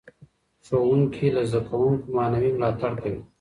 ښوونکي له زده کوونکو معنوي ملاتړ کوي.